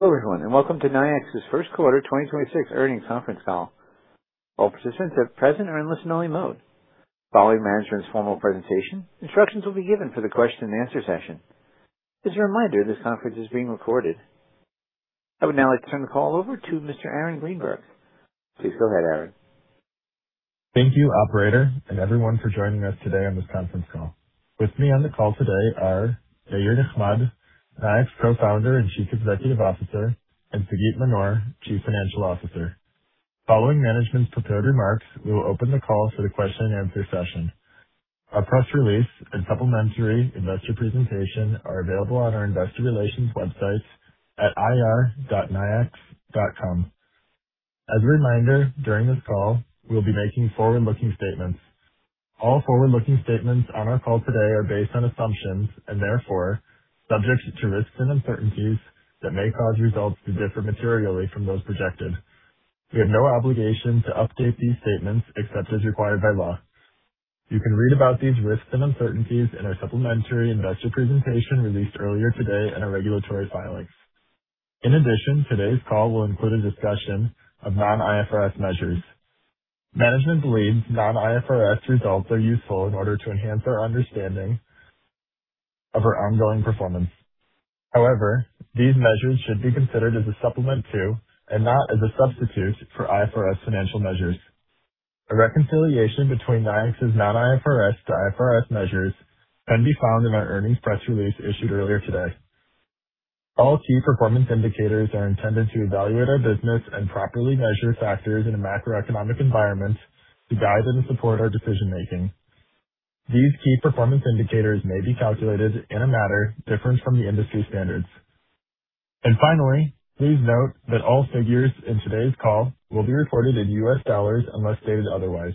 Hello, everyone, and welcome to Nayax's first quarter 2026 earnings conference call. All participants are present or in listen-only mode. Following management's formal presentation, instructions will be given for the question-and-answer session. As a reminder, this conference is being recorded. I would now like to turn the call over to Mr. Aaron Greenberg. Please go ahead, Aaron. Thank you, operator and everyone for joining us today on this conference call. With me on the call today are Yair Nechmad, Nayax Co-Founder and Chief Executive Officer, and Sagit Manor, Chief Financial Officer. Following management's prepared remarks, we will open the call for the question-and-answer session. Our press release and supplementary investor presentation are available on our Investor Relations website at ir.nayax.com. As a reminder, during this call, we'll be making forward-looking statements. All forward-looking statements on our call today are based on assumptions and therefore subject to risks and uncertainties that may cause results to differ materially from those projected. We have no obligation to update these statements except as required by law. You can read about these risks and uncertainties in our supplementary investor presentation released earlier today in our regulatory filings. Today's call will include a discussion of non-IFRS measures. Management believes non-IFRS results are useful in order to enhance our understanding of our ongoing performance. However, these measures should be considered as a supplement to and not as a substitute for IFRS financial measures. A reconciliation between Nayax's non-IFRS to IFRS measures can be found in our earnings press release issued earlier today. All key performance indicators are intended to evaluate our business and properly measure factors in a macroeconomic environment to guide and support our decision-making. These key performance indicators may be calculated in a manner different from the industry standards. Finally, please note that all figures in today's call will be reported in U.S. dollars unless stated otherwise.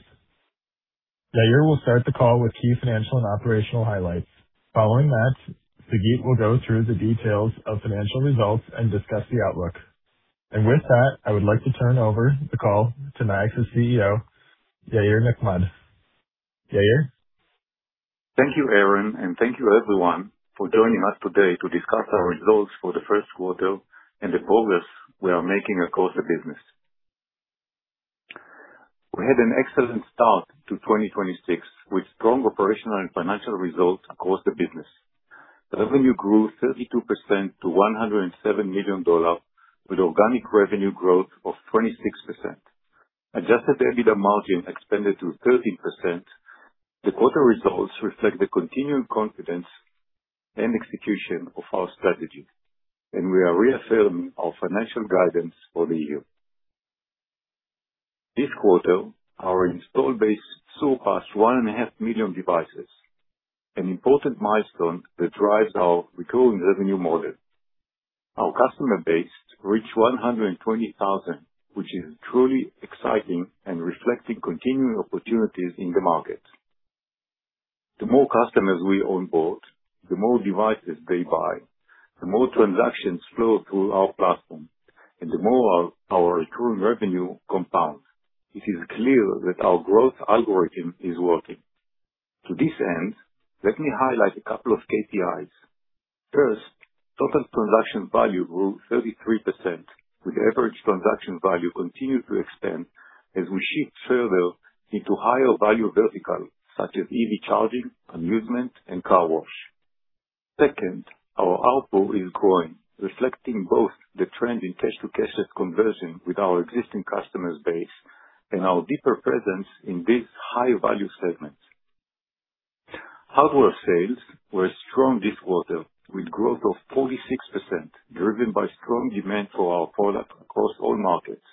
Yair will start the call with key financial and operational highlights. Following that, Sagit will go through the details of financial results and discuss the outlook. With that, I would like to turn over the call to Nayax's CEO, Yair Nechmad. Yair? Thank you, Aaron, and thank you everyone for joining us today to discuss our results for the first quarter and the progress we are making across the business. We had an excellent start to 2026 with strong operational and financial results across the business. Revenue grew 32% to $107 million with organic revenue growth of 26%. Adjusted EBITDA margin expanded to 13%. The quarter results reflect the continuing confidence and execution of our strategy, and we are reaffirming our financial guidance for the year. This quarter, our installed base surpassed 1.5 million devices, an important milestone that drives our recurring revenue model. Our customer base reached 120,000, which is truly exciting and reflecting continuing opportunities in the market. The more customers we onboard, the more devices they buy, the more transactions flow through our platform, and the more our recurring revenue compounds. It is clear that our growth algorithm is working. To this end, let me highlight a couple of KPIs. First, total transaction value grew 33%, with average transaction value continuing to expand as we shift further into higher value verticals such as EV charging, amusement, and car wash. Second, our ARPU is growing, reflecting both the trend in cash-to-cash conversion with our existing customers base and our deeper presence in these high-value segments. Hardware sales were strong this quarter, with growth of 46% driven by strong demand for our product across all markets.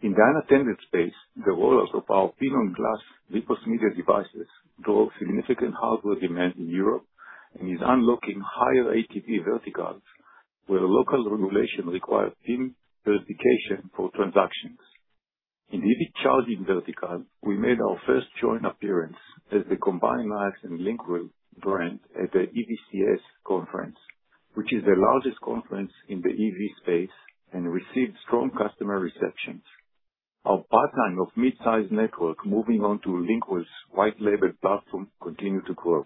In the unattended space, the rollout of our PIN-on-glass VPOS Media devices drove significant hardware demand in Europe and is unlocking higher ATV verticals where local regulation requires PIN verification for transactions. In the EV charging vertical, we made our first joint appearance as the combined Nayax and Lynkwell brand at the EVCS conference, which is the largest conference in the EV space, and received strong customer reception. Our pipeline of mid-sized network moving onto Lynkwell's white label platform continued to grow.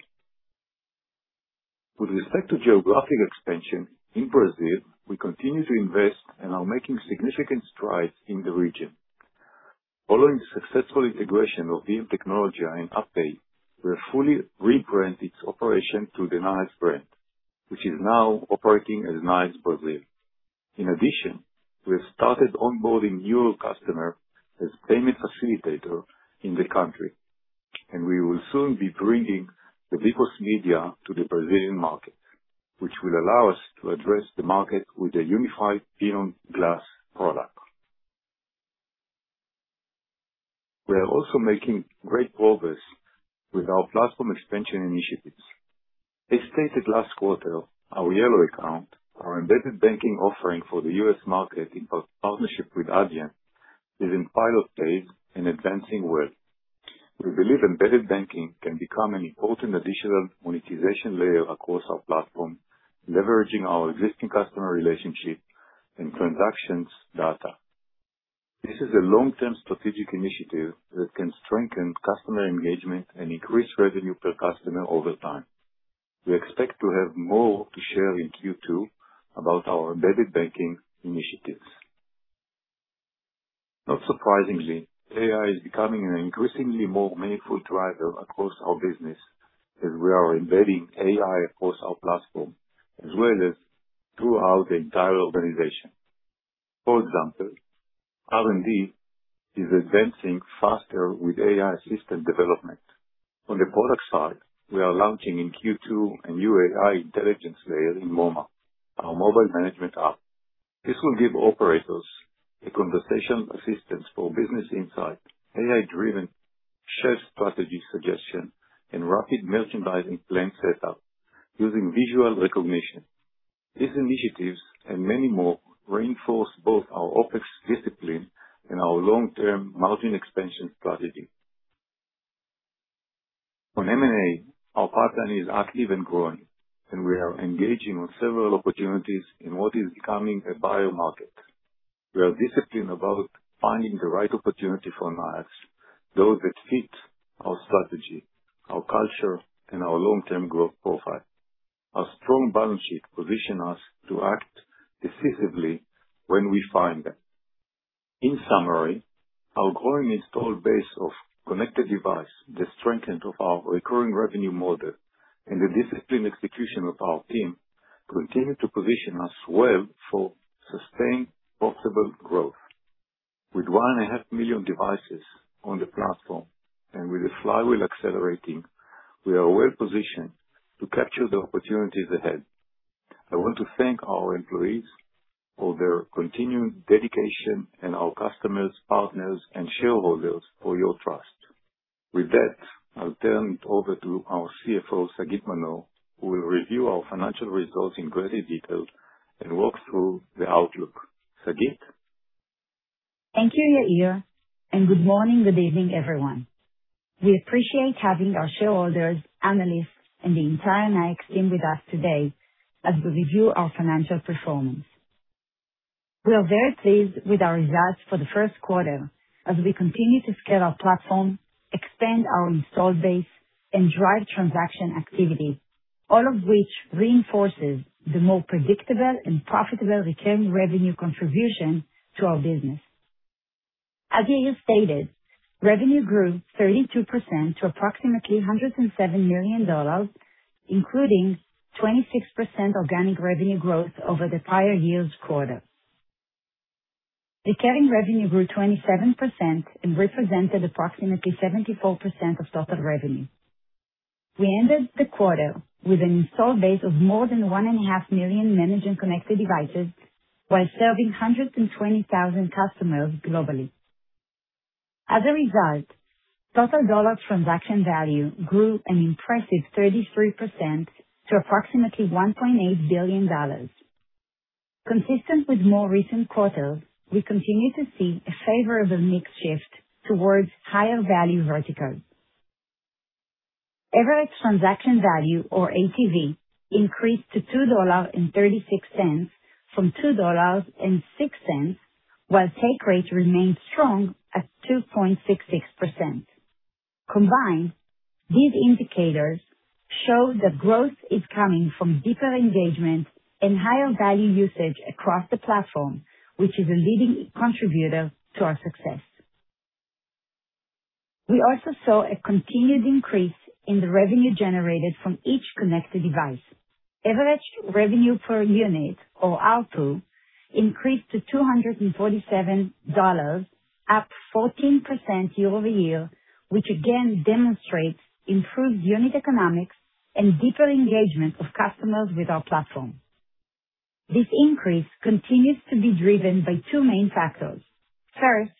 With respect to geographic expansion, in Brazil, we continue to invest and are making significant strides in the region. Following the successful integration of VMtecnologia and UPPay, we are fully rebranding its operation to the Nayax brand, which is now operating as Nayax Brazil. In addition, we have started onboarding new customer as payment facilitator in the country, and we will soon be bringing the VPOS Media to the Brazilian market, which will allow us to address the market with a unified PIN-on-glass product. We are also making great progress with our platform expansion initiatives. As stated last quarter, our Yellow account, our embedded banking offering for the U.S. market in partnership with Adyen, is in pilot phase and advancing well. We believe embedded banking can become an important additional monetization layer across our platform, leveraging our existing customer relationship and transactions data. This is a long-term strategic initiative that can strengthen customer engagement and increase revenue per customer over time. We expect to have more to share in Q2 about our embedded banking initiatives. Not surprisingly, AI is becoming an increasingly more meaningful driver across our business as we are embedding AI across our platform as well as throughout the entire organization. For example, R&D is advancing faster with AI system development. On the product side, we are launching in Q2 a new AI intelligence layer in MoMa, our mobile management app. This will give operators a conversational assistance for business insight, AI-driven shared strategy suggestion, and rapid merchandising plan setup using visual recognition. These initiatives and many more reinforce both our OpEx discipline and our long-term margin expansion strategy. On M&A, our pipeline is active and growing, and we are engaging with several opportunities in what is becoming a buyer market. We are disciplined about finding the right opportunity for Nayax, those that fit our strategy, our culture, and our long-term growth profile. Our strong balance sheet position us to act decisively when we find them. In summary, our growing installed base of connected devices, the strength of our recurring revenue model, and the disciplined execution of our team continue to position us well for sustained profitable growth. With 1.5 million devices on the platform and with the flywheel accelerating, we are well-positioned to capture the opportunities ahead. I want to thank our employees for their continued dedication and our customers, partners, and shareholders for your trust. With that, I'll turn it over to our CFO, Sagit Manor, who will review our financial results in greater detail and walk through the outlook. Sagit? Thank you, Yair, and good morning, good evening, everyone. We appreciate having our shareholders, analysts, and the entire Nayax team with us today as we review our financial performance. We are very pleased with our results for the first quarter as we continue to scale our platform, expand our installed base, and drive transaction activity, all of which reinforces the more predictable and profitable recurring revenue contribution to our business. As Yair stated, revenue grew 32% to approximately $107 million, including 26% organic revenue growth over the prior year's quarter. Recurring revenue grew 27% and represented approximately 74% of total revenue. We ended the quarter with an install base of more than 1.5 million managed and connected devices while serving 120,000 customers globally. As a result, total dollar transaction value grew an impressive 33% to approximately $1.8 billion. Consistent with more recent quarters, we continue to see a favorable mix shift towards higher value verticals. Average transaction value or ATV increased to $2.36 from $2.06, while take rate remained strong at 2.66%. Combined, these indicators show that growth is coming from deeper engagement and higher-value usage across the platform, which is a leading contributor to our success. We also saw a continued increase in the revenue generated from each connected device. Average revenue per unit or ARPU increased to $247, up 14% year-over-year, which again demonstrates improved unit economics and deeper engagement of customers with our platform. This increase continues to be driven by two main factors. First,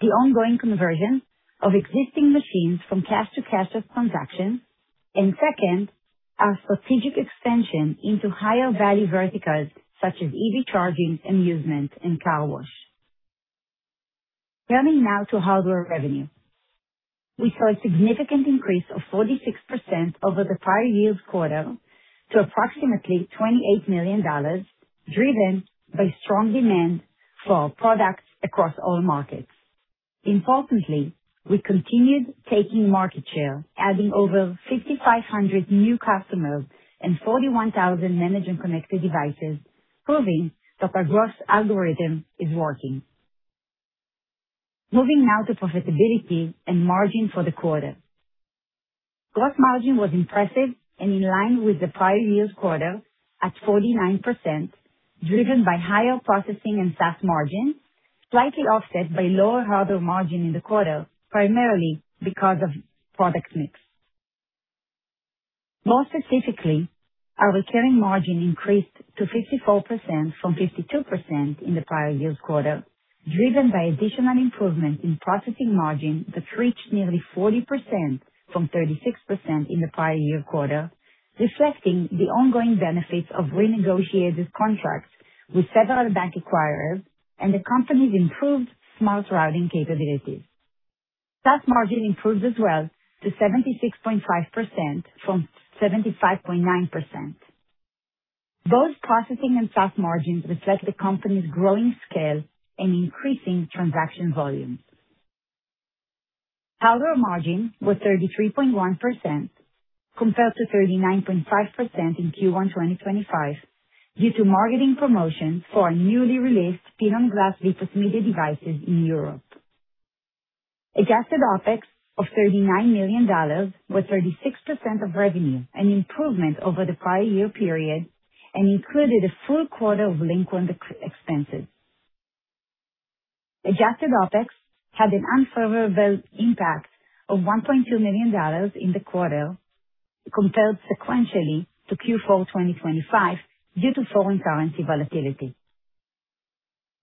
the ongoing conversion of existing machines from cash to cashless transactions. Second, our strategic extension into higher-value verticals such as EV charging, amusement, and car wash. Turning now to hardware revenue. We saw a significant increase of 46% over the prior year's quarter to approximately $28 million, driven by strong demand for our products across all markets. Importantly, we continued taking market share, adding over 5,500 new customers and 41,000 managed and connected devices, proving that our growth algorithm is working. Moving now to profitability and margin for the quarter. Gross margin was impressive and in line with the prior year's quarter at 49%, driven by higher processing and SaaS margin, slightly offset by lower hardware margin in the quarter, primarily because of product mix. More specifically, our recurring margin increased to 54% from 52% in the prior year's quarter, driven by additional improvement in processing margin that reached nearly 40% from 36% in the prior year quarter, reflecting the ongoing benefits of renegotiated contracts with several bank acquirers and the company's improved smart routing capabilities. SaaS margin improved as well to 76.5% from 75.9%. Both processing and SaaS margins reflect the company's growing scale and increasing transaction volume. Hardware margin was 33.1% compared to 39.5% in Q1 2025 due to marketing promotions for our newly released PIN-on-glass display media devices in Europe. Adjusted OpEx of $39 million, or 36% of revenue, an improvement over the prior year period and included a full quarter of Lynkwell expenses. Adjusted OpEx had an unfavorable impact of $1.2 million in the quarter compared sequentially to Q4 2025 due to foreign currency volatility.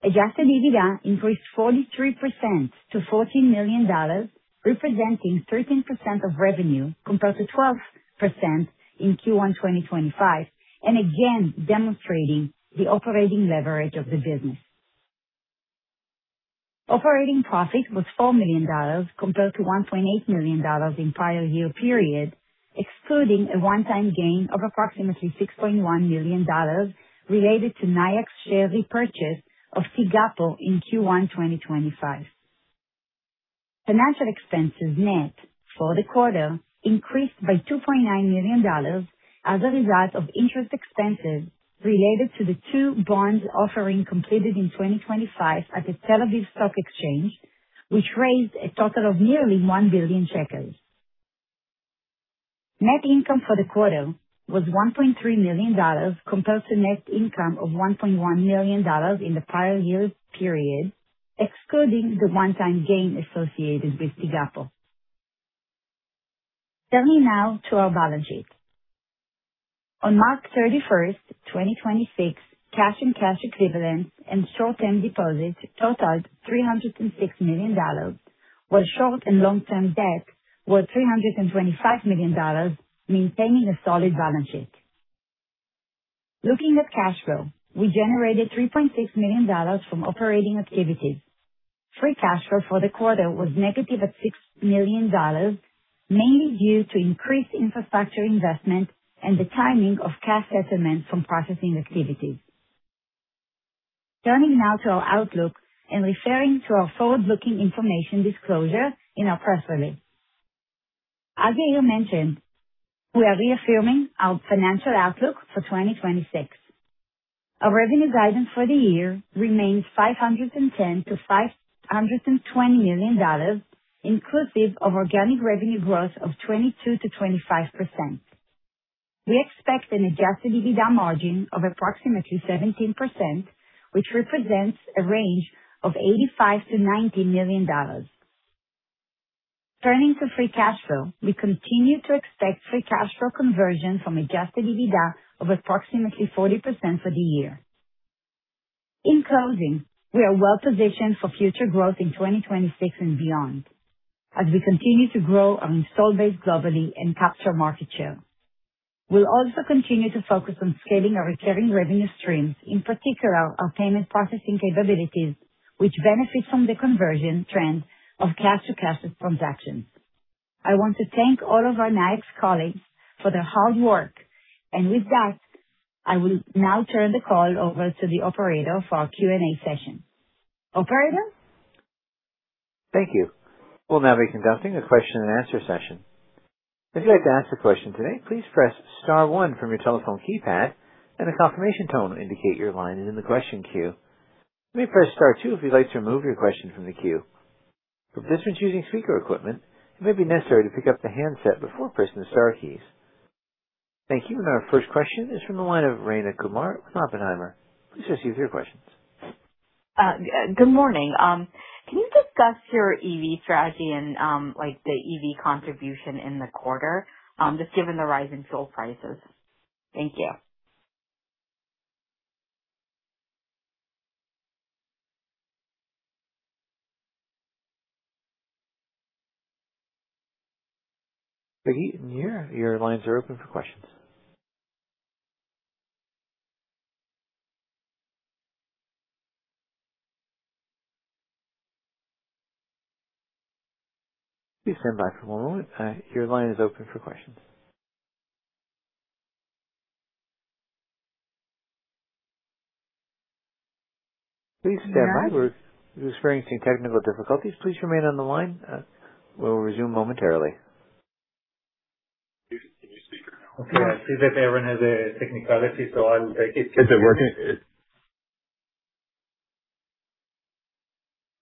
Adjusted EBITDA increased 43% to $14 million, representing 13% of revenue, compared to 12% in Q1 2025, and again demonstrating the operating leverage of the business. Operating profit was $4 million compared to $1.8 million in prior year period, excluding a one-time gain of approximately $6.1 million related to Nayax share repurchase of Tigapo in Q1 2025. Financial expenses net for the quarter increased by $2.9 million as a result of interest expenses related to the two bonds offering completed in 2025 at the Tel-Aviv Stock Exchange, which raised a total of nearly 1 billion shekels. Net income for the quarter was $1.3 million, compared to net income of $1.1 million in the prior year's period, excluding the one-time gain associated with Tigapo. Turning now to our balance sheet. On March 31st, 2026, cash and cash equivalents and short-term deposits totaled $306 million, while short and long-term debt was $325 million, maintaining a solid balance sheet. Looking at cash flow, we generated $3.6 million from operating activities. Free cash flow for the quarter was negative at $6 million, mainly due to increased infrastructure investment and the timing of cash settlement from processing activities. Turning now to our outlook and referring to our forward-looking information disclosure in our press release. As Yair mentioned, we are reaffirming our financial outlook for 2026. Our revenue guidance for the year remains $510 million-$520 million, inclusive of organic revenue growth of 22%-25%. We expect an adjusted EBITDA margin of approximately 17%, which represents a range of $85 million-$90 million. Turning to free cash flow, we continue to expect free cash flow conversion from adjusted EBITDA of approximately 40% for the year. In closing, we are well-positioned for future growth in 2026 and beyond as we continue to grow our install base globally and capture market share. We'll also continue to focus on scaling our recurring revenue streams, in particular our payment processing capabilities, which benefit from the conversion trend of cash to cashless transactions. I want to thank all of our Nayax colleagues for their hard work, and with that, I will now turn the call over to the operator for our Q&A session. Operator? Thank you. Well, now we're conducting our question-and-answer question. If you want to ask a question today, please press star one from your telephone keypad. And a confirmation tone indicate your line is in the question queue. Please press star two if you would like to remove your question from the queue. If you're using a speaker equipment, it would be necessary to pick up the handset before pressing the star keys. Thank you and our first question is from the line of Rayna Kumar at Oppenheimer. Please proceed with your questions. Good morning. Can you discuss your EV strategy and, like the EV contribution in the quarter, just given the rise in fuel prices? Thank you. [Ricky] and Yair, your lines are open for questions. Please stand by for one moment. Your line is open for questions. Please stand by. We're experiencing technical difficulties. Please remain on the line. We'll resume momentarily. Can you speak right now? Yeah. It seems that Aaron has a technicality, so I'll take it. Is it working?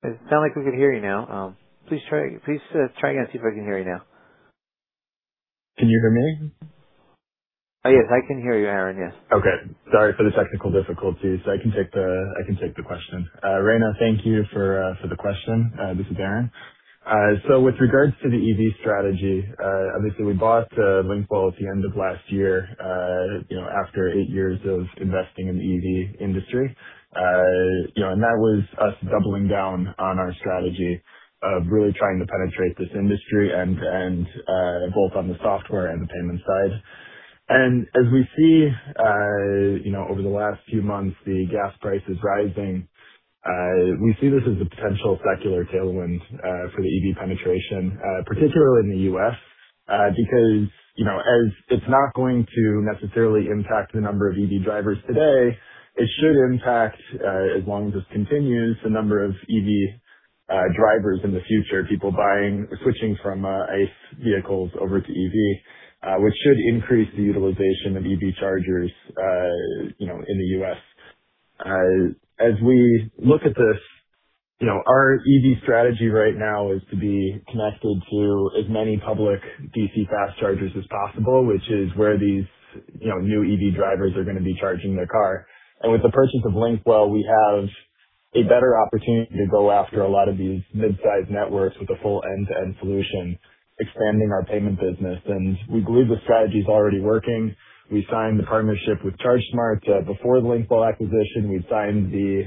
It sound like we can hear you now. Please try again and see if I can hear you now. Can you hear me? Yes, I can hear you, Aaron. Yes. Okay. Sorry for the technical difficulties. I can take the question. Rayna, thank you for the question. This is Aaron. With regards to the EV strategy, obviously we bought Lynkwell at the end of last year, you know, after eight years of investing in the EV industry. You know, that was us doubling down on our strategy of really trying to penetrate this industry and both on the software and the payment side. As we see, over the last few months, the gas prices rising, we see this as a potential secular tailwind for the EV penetration, particularly in the U.S. Because, as it's not going to necessarily impact the number of EV drivers today, it should impact, as long as this continues, the number of EV drivers in the future, people switching from ICE vehicles over to EV, which should increase the utilization of EV chargers in the U.S. As we look at this, our EV strategy right now is to be connected to as many public DC fast chargers as possible, which is where these new EV drivers are gonna be charging their car. With the purchase of Lynkwell, we have a better opportunity to go after a lot of these mid-size networks with a full end-to-end solution, expanding our payment business. We believe the strategy's already working. We signed the partnership with ChargeSmart before the Lynkwell acquisition. We've signed the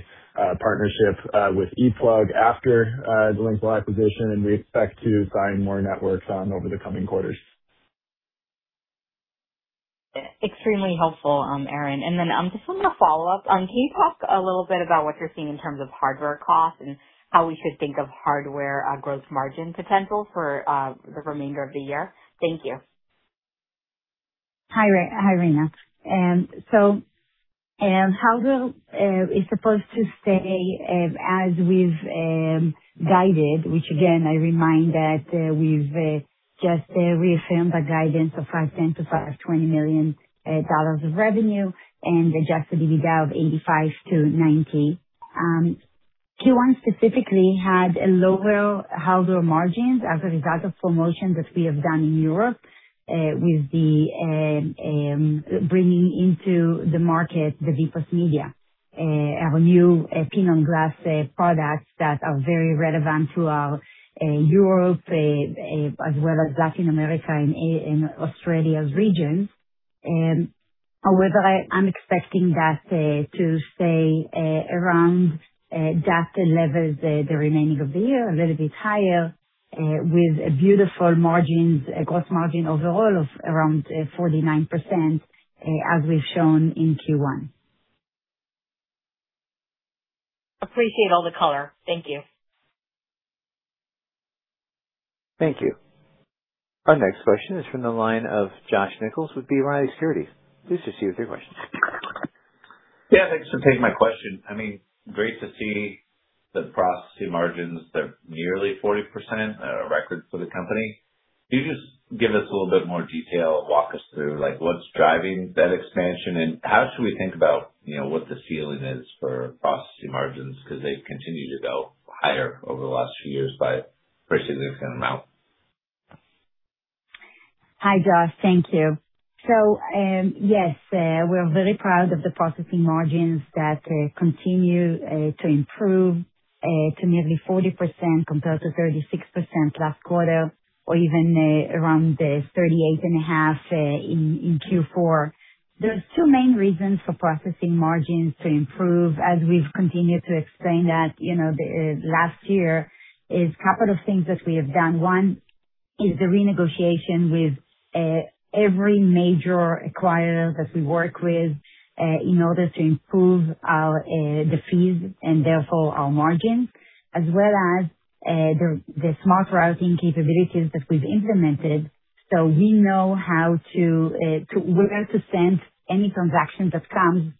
partnership with E-Plug after the Lynkwell acquisition. We expect to sign more networks over the coming quarters. Extremely helpful, Aaron. Then, just wanted to follow up. Can you talk a little bit about what you're seeing in terms of hardware costs and how we should think of hardware gross margin potential for the remainder of the year? Thank you. Hi, Rayna. Hardware is supposed to stay as we've guided, which again, I remind that we've just reaffirmed the guidance of $500 million-$520 million of revenue and adjusted EBITDA of $85 million-$90 million. Q1 specifically had lower hardware margins as a result of promotions that we have done in Europe, with the bringing into the market the VPOS Media, our new PIN-on-glass products that are very relevant to our Europe, as well as Latin America and Australia regions. However, I'm expecting that to stay around that level the remaining of the year, a little bit higher, with beautiful margins, gross margin overall of around 49%, as we've shown in Q1. Appreciate all the color. Thank you. Thank you. Our next question is from the line of Josh Nichols with B. Riley Securities. Please proceed with your question. Yeah, thanks for taking my question. I mean, great to see the processing margins. They're nearly 40%, record for the company. Can you just give us a little bit more detail, walk us through, like, what's driving that expansion, and how should we think about, you know, what the ceiling is for processing margins? They've continued to go higher over the last few years by a pretty significant amount. Hi, Josh. Thank you. Yes, we're very proud of the processing margins that continue to improve to nearly 40% compared to 36% last quarter or even around 38.5% in Q4. There's two main reasons for processing margins to improve, as we've continued to explain that, you know, the last year, is couple of things that we have done. One is the renegotiation with every major acquirer that we work with in order to improve our the fees and therefore our margins, as well as the smart routing capabilities that we've implemented. We know how to send any transaction that comes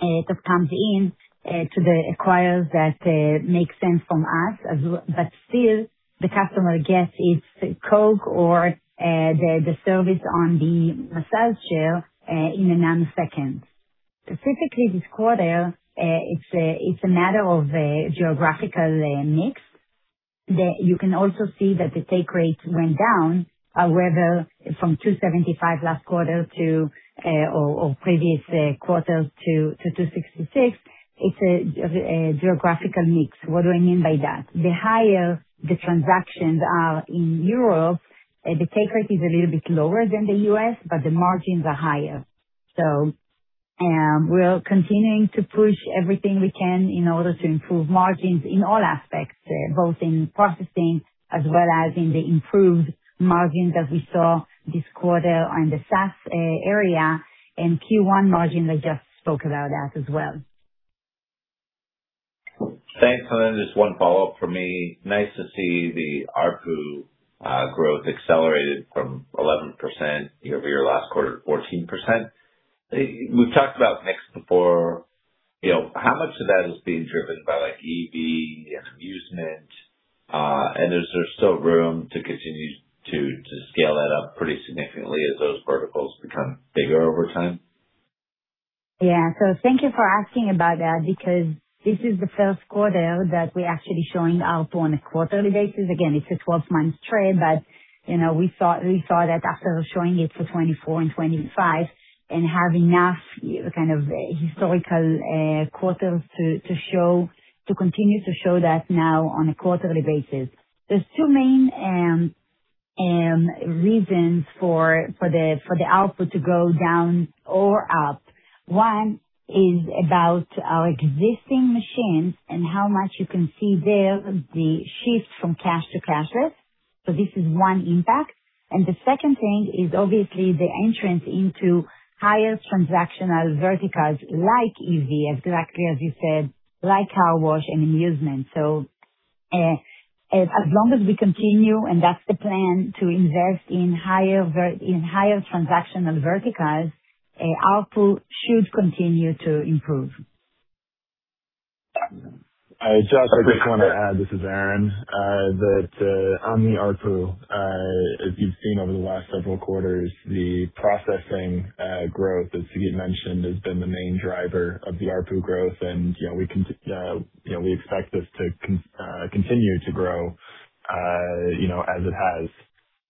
in to the acquirers that make sense from us as but still the customer gets its Coke or the service on the massage chair in a nanosecond. Specifically this quarter, it's a matter of a geographical mix. You can also see that the take rate went down, whether from 2.75% last quarter or previous quarters to 2.66%. It's a geographical mix. What do I mean by that? The higher the transactions are in Europe, the take rate is a little bit lower than the U.S., but the margins are higher. We're continuing to push everything we can in order to improve margins in all aspects, both in processing as well as in the improved margins that we saw this quarter on the SaaS area and Q1 margins, I just spoke about that as well. Thanks. Then just one follow-up for me. Nice to see the ARPU growth accelerated from 11% year-over-year last quarter to 14%. We've talked about mix before. You know, how much of that is being driven by like EV, amusement, and is there still room to continue to scale that up pretty significantly as those verticals become bigger over time? Yeah. Thank you for asking about that, because this is the first quarter that we're actually showing ARPU on a quarterly basis. Again, it's a 12-month trend, but, you know, we saw that after showing it for 2024 and 2025 and have enough kind of historical quarters to show, to continue to show that now on a quarterly basis. There's two main reasons for the ARPU to go down or up. One is about our existing machines and how much you can see there the shift from cash to cashless. The second thing is obviously the entrance into higher transactional verticals like EV, exactly as you said, like car wash and amusement. As long as we continue, and that's the plan, to invest in higher transactional verticals, ARPU should continue to improve. Josh, I just wanna add, this is Aaron, that on the ARPU, as you've seen over the last several quarters, the processing growth, as Sagit mentioned, has been the main driver of the ARPU growth. You know, we expect this to continue to grow, you know, as it has.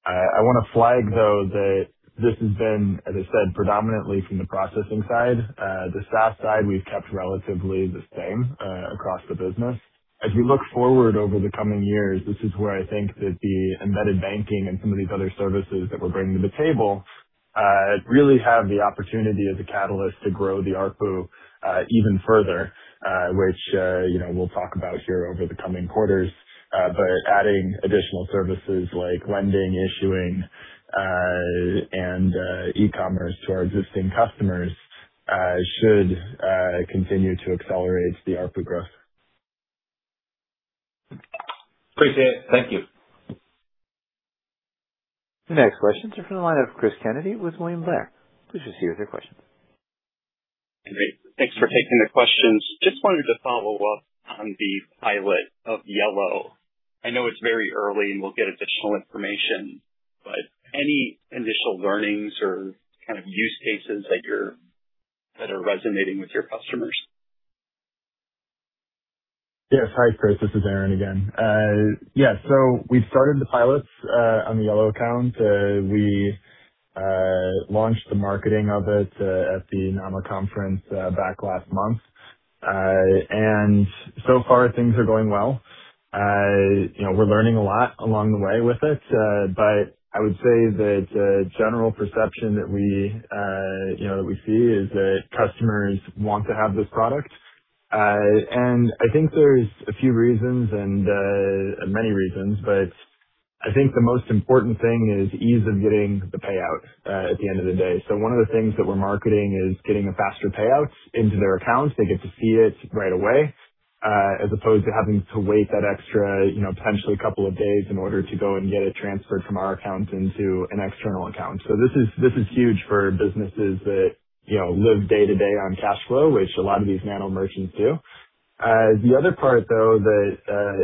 I wanna flag though that this has been, as I said, predominantly from the processing side. The SaaS side, we've kept relatively the same, across the business. As we look forward over the coming years, this is where I think that the embedded banking and some of these other services that we're bringing to the table, really have the opportunity as a catalyst to grow the ARPU, even further, which, you know, we'll talk about here over the coming quarters. Adding additional services like lending, issuing, and e-commerce to our existing customers, should continue to accelerate the ARPU growth. Appreciate it. Thank you. The next question is from the line of Cris Kennedy with William Blair. Please proceed with your question. Great. Thanks for taking the questions. Just wanted to follow up on the pilot of Yellow. I know it's very early, and we'll get additional information, but any initial learnings or kind of use cases that are resonating with your customers? Yeah. Hi, Cris. This is Aaron again. Yeah, we've started the pilots on the Yellow account. We launched the marketing of it at the NAMA conference back last month. So far, things are going well. You know, we're learning a lot along the way with it. I would say that the general perception that we, you know, that we see is that customers want to have this product. I think there's a few reasons and many reasons, but I think the most important thing is ease of getting the payout at the end of the day. One of the things that we're marketing is getting a faster payout into their accounts. They get to see it right away, as opposed to having to wait that extra, you know, potentially couple days in order to go and get it transferred from our account into an external account. This is, this is huge for businesses that, you know, live day-to-day on cash flow, which a lot of these nano merchants do. The other part, though, that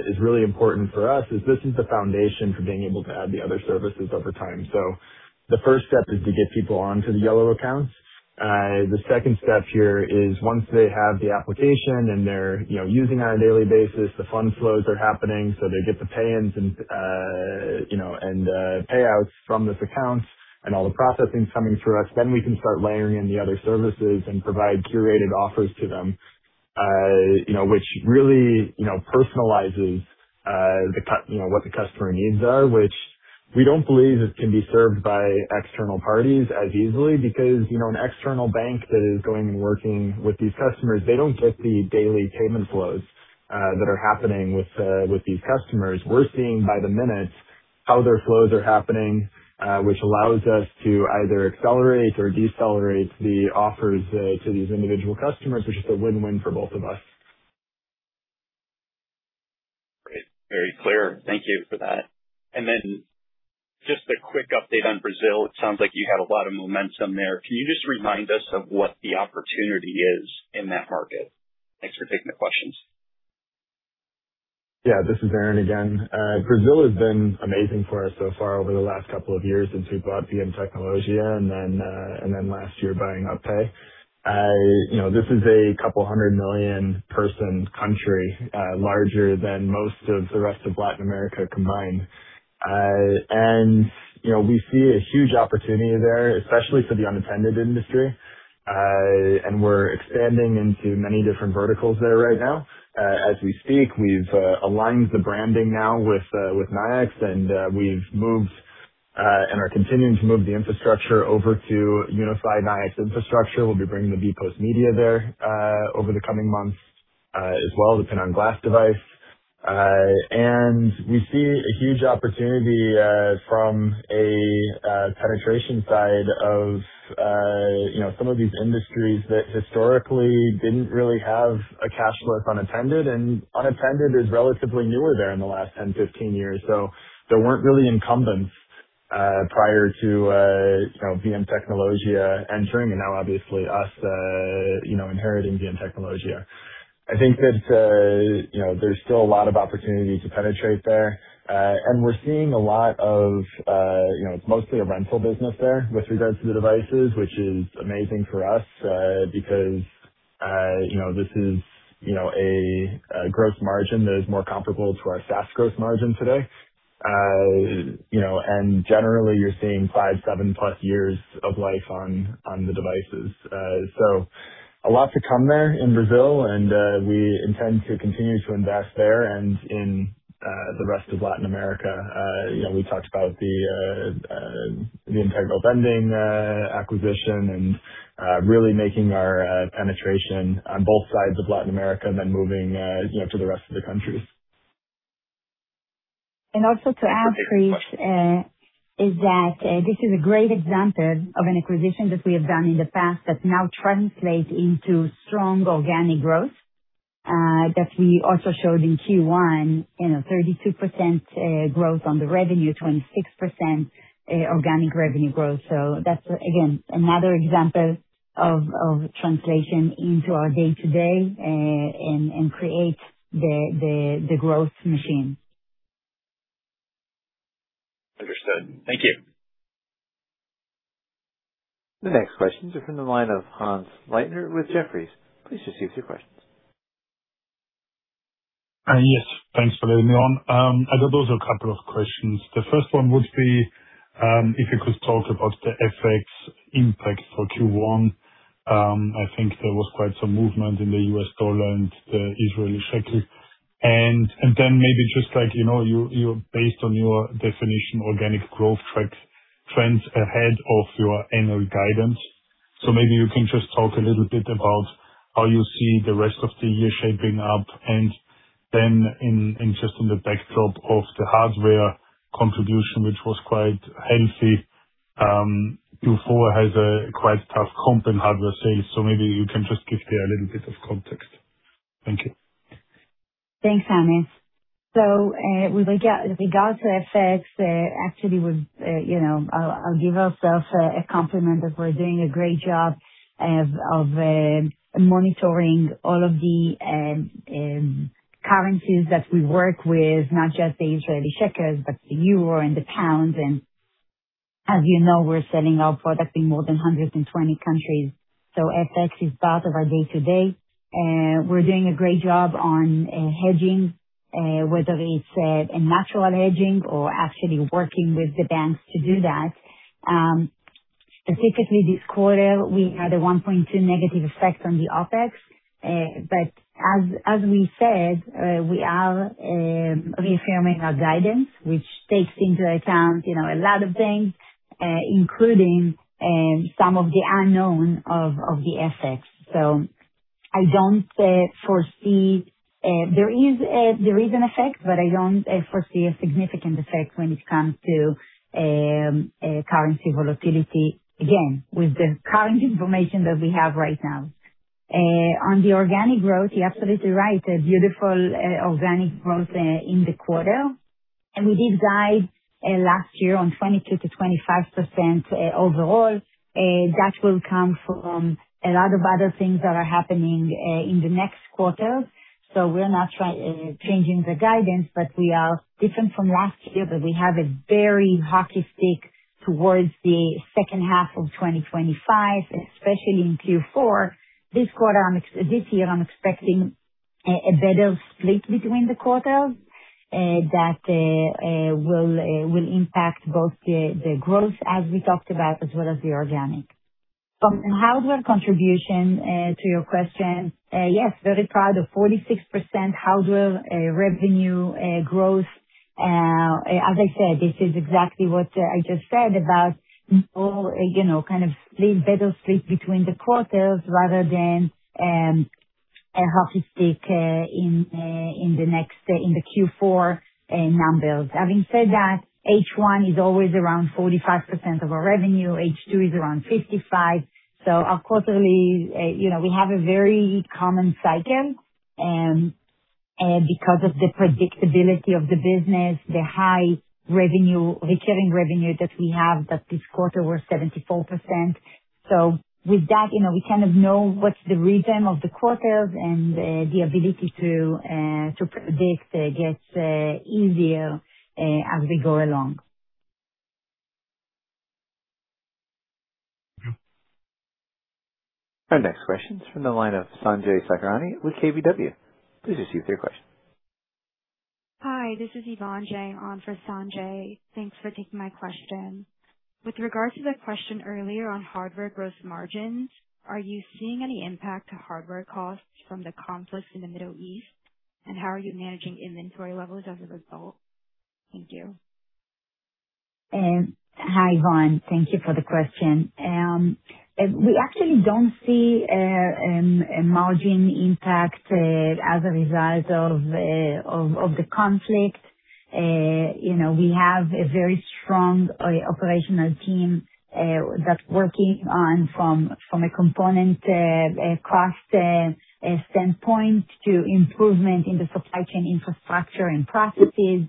is really important for us is this is the foundation for being able to add the other services over time. The first step is to get people onto the Yellow accounts. The second step here is once they have the application and they're, you know, using it on a daily basis, the fund flows are happening, so they get the pay-ins and, you know, and payouts from this account and all the processing's coming through us, then we can start layering in the other services and provide curated offers to them. You know, which really, you know, personalizes, you know, what the customer needs are, which we don't believe it can be served by external parties as easily because, you know, an external bank that is going and working with these customers, they don't get the daily payment flows, that are happening with these customers. We're seeing by the minute how their flows are happening, which allows us to either accelerate or decelerate the offers to these individual customers, which is a win-win for both of us. Great. Very clear. Thank you for that. Just a quick update on Brazil. It sounds like you had a lot of momentum there. Can you just remind us of what the opportunity is in that market? Thanks for taking the questions. This is Aaron again. Brazil has been amazing for us so far over the last couple of years since we bought VMtecnologia and then last year buying UPPay. You know, this is a couple hundred million person country, larger than most of the rest of Latin America combined. You know, we see a huge opportunity there, especially for the unattended industry. We're expanding into many different verticals there right now. As we speak, we've aligned the branding now with Nayax, and we've moved and are continuing to move the infrastructure over to unified Nayax infrastructure. We'll be bringing the VPOS Media there over the coming months, as well, the PIN-on-glass device. We see a huge opportunity from a penetration side of, you know, some of these industries that historically didn't really have a cash flow if unattended, and unattended is relatively newer there in the last 10 years, 15 years. There weren't really incumbents prior to, you know, VMtecnologia entering and now obviously us, you know, inheriting VMtecnologia. I think that, you know, there's still a lot of opportunity to penetrate there. We're seeing a lot of, it's mostly a rental business there with regards to the devices, which is amazing for us, because this is a gross margin that is more comparable to our SaaS gross margin today. Generally, you're seeing five, 7+ years of life on the devices. A lot to come there in Brazil, we intend to continue to invest there and in the rest of Latin America. We talked about the Integral Vending acquisition and really making our penetration on both sides of Latin America and then moving to the rest of the countries. Also to add Cris, is that this is a great example of an acquisition that we have done in the past that now translates into strong organic growth that we also showed in Q1, you know, 32% growth on the revenue, 26% organic revenue growth. That's again, another example of translation into our day to day, and creates the growth machine. Understood. Thank you. The next questions are from the line of Hannes Leitner with Jefferies. Please proceed with your questions. Yes, thanks for letting me on. I do have a couple of questions. The first one would be, if you could talk about the FX impact for Q1. I think there was quite some movement in the U.S. dollar and the Israeli shekel. Then maybe just like, you know, based on your definition, organic growth track trends ahead of your annual guidance. Maybe you can just talk a little bit about how you see the rest of the year shaping up. In just in the backdrop of the hardware contribution, which was quite healthy, Q4 has a quite tough comp in hardware sales. Maybe you can just give me a little bit of context. Thank you. Thanks, Hannes. Regards to FX, actually was, you know, I'll give ourself a compliment that we're doing a great job of monitoring all of the currencies that we work with, not just the Israeli shekels, but the euro and the pound. As you know, we're selling our products in more than 120 countries, so FX is part of our day-to-day. We're doing a great job on hedging, whether it's a natural hedging or actually working with the banks to do that. Specifically this quarter we had a $1.2 million negative effect on the OpEx. As we said, we are reaffirming our guidance, which takes into account, you know, a lot of things, including some of the unknown of the FX. I don't foresee. There is an effect, but I don't foresee a significant effect when it comes to currency volatility, again, with the current information that we have right now. On the organic growth, you're absolutely right. A beautiful organic growth in the quarter. We did guide last year on 22%-25% overall. That will come from a lot of other things that are happening in the next quarter. We're not changing the guidance, but we are different from last year that we have a very hockey stick towards the second half of 2025, especially in Q4. This year I'm expecting a better split between the quarters that will impact both the growth as we talked about as well as the organic. On hardware contribution to your question, yes, very proud of 46% hardware revenue growth. As I said, this is exactly what I just said about more, you know, kind of split, better split between the quarters rather than a hockey stick in the next in the Q4 numbers. Having said that, H1 is always around 45% of our revenue. H2 is around 55%. Our quarterly, you know, we have a very common cycle because of the predictability of the business, the high revenue, recurring revenue that we have, that this quarter was 74%. With that, you know, we kind of know what's the rhythm of the quarters and the ability to predict gets easier as we go along. Our next question is from the line of Sanjay Sakhrani with KBW. Please proceed with your question. Hi, this is Yvonne Jeng on for Sanjay. Thanks for taking my question. With regards to the question earlier on hardware gross margins, are you seeing any impact to hardware costs from the conflicts in the Middle East? How are you managing inventory levels as a result? Thank you. Hi, Yvonne. Thank you for the question. We actually don't see a margin impact as a result of the conflict. You know, we have a very strong operational team that's working on from a component cost standpoint to improvement in the supply chain infrastructure and processes.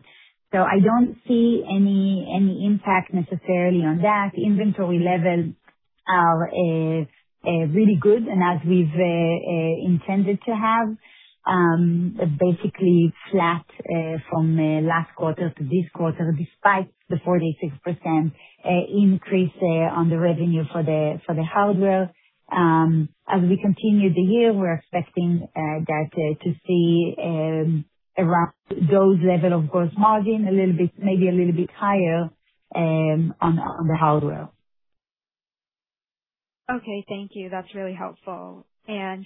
I don't see any impact necessarily on that. Inventory levels are really good and as we've intended to have. Basically flat from last quarter to this quarter, despite the 46% increase on the revenue for the hardware. As we continue the year, we're expecting that to see around those level of gross margin a little bit, maybe a little bit higher on the hardware. Okay. Thank you. That's really helpful.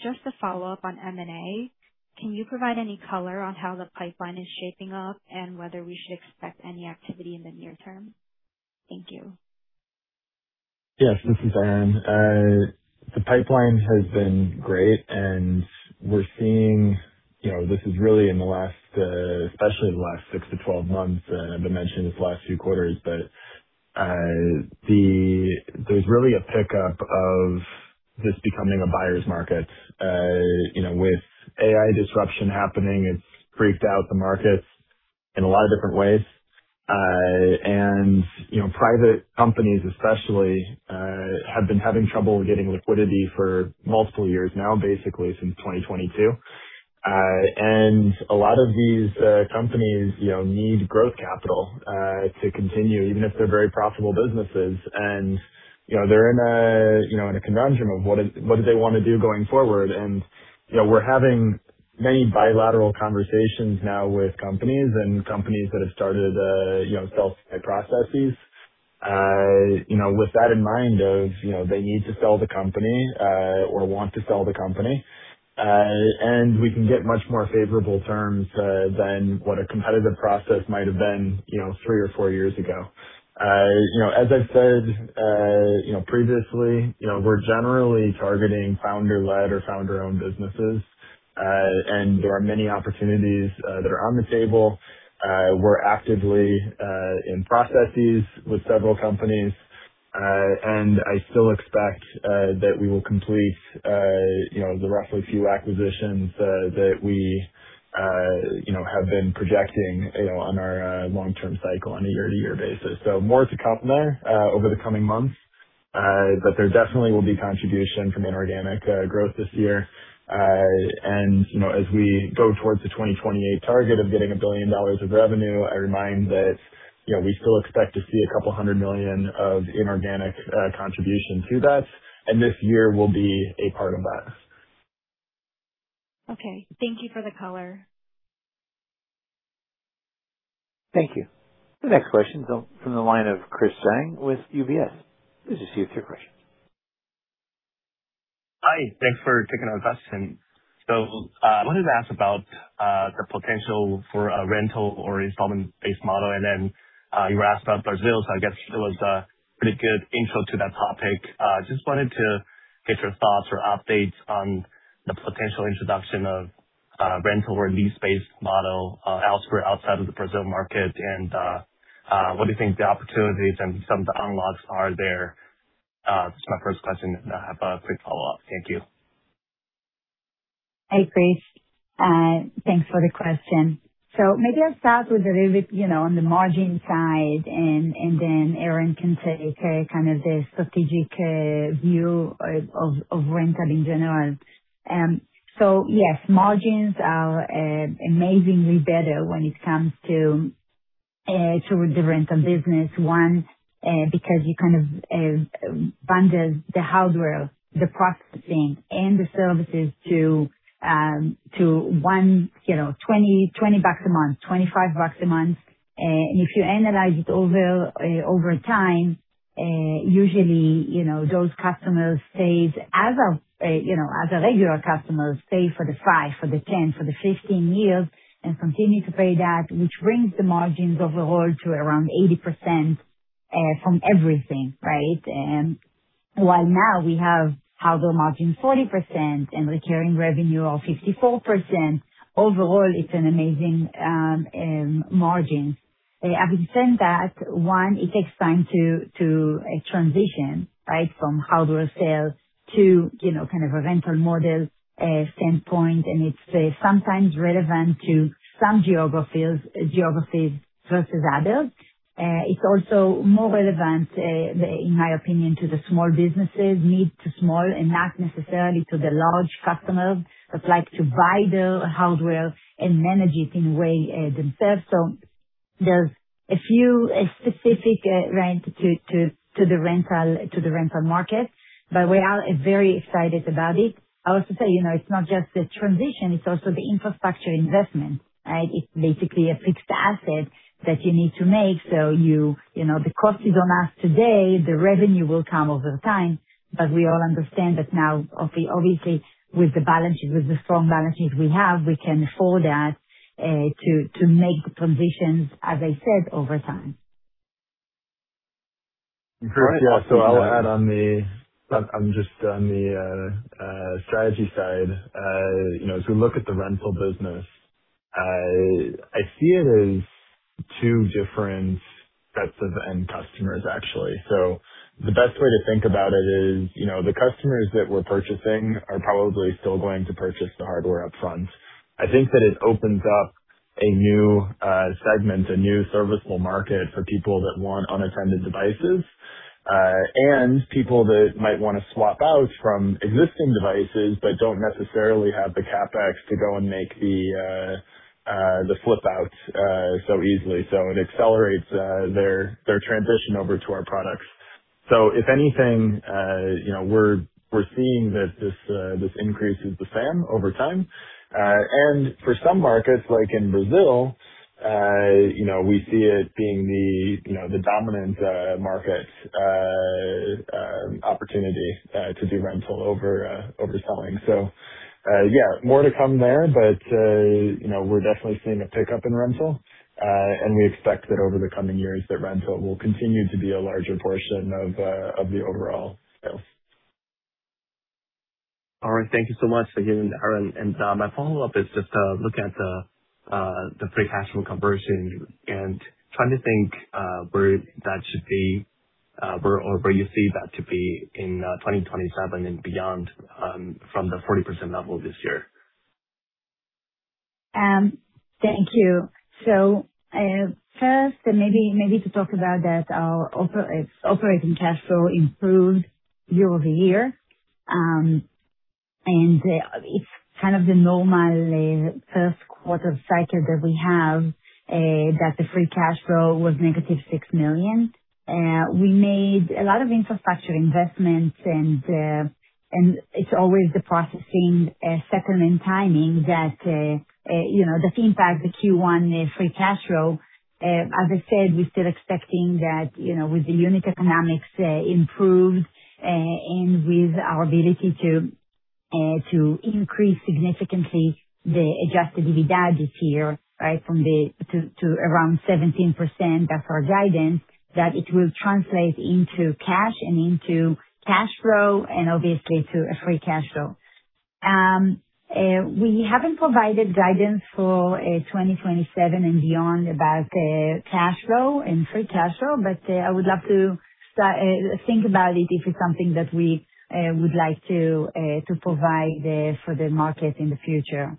Just a follow-up on M&A. Can you provide any color on how the pipeline is shaping up and whether we should expect any activity in the near term? Thank you. Yes, this is Aaron. The pipeline has been great, and we're seeing, you know, this is really in the last, especially the last six to 12 months, I've been mentioning this the last few quarters, but there's really a pickup of this becoming a buyer's market. You know, with AI disruption happening, it's freaked out the markets in a lot of different ways. You know, private companies especially, have been having trouble getting liquidity for multiple years now, basically since 2022. A lot of these companies, you know, need growth capital to continue even if they're very profitable businesses. You know, they're in a, you know, in a conundrum of what do they wanna do going forward. You know, we're having many bilateral conversations now with companies and companies that have started, you know, sell processes. You know, with that in mind of, you know, they need to sell the company or want to sell the company. We can get much more favorable terms than what a competitive process might have been, you know, three or four years ago. You know, as I've said, you know, previously, you know, we're generally targeting founder-led or founder-owned businesses. There are many opportunities that are on the table. We're actively in processes with several companies, and I still expect that we will complete, you know, the roughly few acquisitions that we, you know, have been projecting, you know, on our long-term cycle on a year-to-year basis. More to come there over the coming months. There definitely will be contribution from inorganic growth this year. You know, as we go towards the 2028 target of getting $1 billion of revenue, I remind that, you know, we still expect to see couple hundred million of inorganic contribution to that, and this year will be a part of that. Okay. Thank you for the color. Thank you. The next question is from the line of Chris Zhang with UBS. Please issue your three questions. Hi. Thanks for taking our question. I wanted to ask about the potential for a rental or installment-based model, and then, you were asked about Brazil, so I guess it was a pretty good intro to that topic. Just wanted to get your thoughts or updates on the potential introduction of a rental or lease-based model elsewhere outside of the Brazil market. What do you think the opportunities and some of the unlocks are there? That's my first question, and I have a quick follow-up. Thank you. Hey, Chris. Thanks for the question. Maybe I'll start with a little bit, you know, on the margin side, and then Aaron can take kind of the strategic view of rental in general. Yes, margins are amazingly better when it comes to the rental business. One, because you kind of bundle the hardware, the processing and the services to one, you know, $20 a month, $25 a month. And if you analyze it over time, usually, you know, those customers stays as a, you know, as a regular customer, stay for the five, for the 10, for the 15 years and continue to pay that, which brings the margins overall to around 80% from everything, right? While now we have hardware margin 40% and recurring revenue of 54%. Overall, it's an amazing margin. Having said that, one, it takes time to transition, right? From hardware sales to, you know, kind of a rental model standpoint. It's sometimes relevant to some geographies versus others. It's also more relevant, in my opinion, to the small businesses need to small and not necessarily to the large customers that like to buy the hardware and manage it in a way themselves. There's a few specific rent to the rental market, but we are very excited about it. I also say, you know, it's not just the transition, it's also the infrastructure investment, right? It's basically a fixed asset that you need to make. You know, the cost is on us today. The revenue will come over time. We all understand that now, obviously with the balance sheet, with the strong balance sheet we have, we can afford that to make the transitions, as I said, over time. Great. I'll add on the strategy side. You know, as we look at the rental business, I see it as two different sets of end customers, actually. The best way to think about it is, you know, the customers that we're purchasing are probably still going to purchase the hardware up front. I think that it opens up a new segment, a new serviceable market for people that want unattended devices, and people that might want to swap out from existing devices, but don't necessarily have the CapEx to go and make the flip out so easily. It accelerates their transition over to our products. If anything, you know, we're seeing that this increases the TAM over time. For some markets, like in Brazil, you know, we see it being the, you know, the dominant market opportunity to do rental over selling. Yeah, more to come there. You know, we're definitely seeing a pickup in rental, and we expect that over the coming years that rental will continue to be a larger portion of the overall sales. All right, thank you so much for hearing that, Aaron. My follow-up is just looking at the free cash flow conversion and trying to think where that should be, where or where you see that to be in 2027 and beyond, from the 40% level this year. Thank you. First and maybe to talk about that our operating cash flow improved year-over-year. It's kind of the normal first quarter cycle that we have, that the free cash flow was -$6 million. We made a lot of infrastructure investments, it's always the processing settlement timing that, you know, impact the Q1 free cash flow. As I said, we're still expecting that, you know, with the unit economics improved, and with our ability to increase significantly the adjusted EBITDA this year, right? To around 17%, that's our guidance, that it will translate into cash and into cash flow and obviously to a free cash flow. We haven't provided guidance for 2027 and beyond about cash flow and free cash flow, but I would love to think about it if it's something that we would like to provide for the market in the future.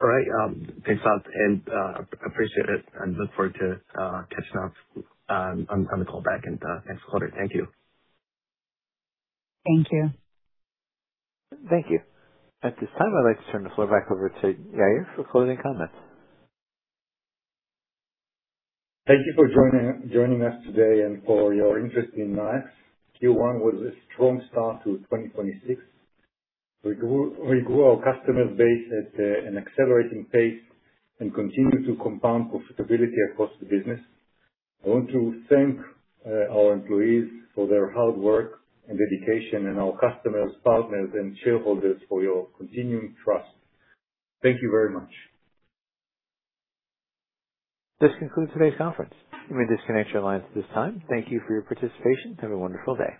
All right, thanks a lot, and appreciate it, and look forward to catching up on the call back in the next quarter. Thank you. Thank you. Thank you. At this time, I'd like to turn the floor back over to Yair for closing comments. Thank you for joining us today and for your interest in Nayax. Q1 was a strong start to 2026. We grew our customer base at an accelerating pace and continue to compound profitability across the business. I want to thank our employees for their hard work and dedication and our customers, partners, and shareholders for your continuing trust. Thank you very much. This concludes today's conference. You may disconnect your lines at this time. Thank you for your participation. Have a wonderful day.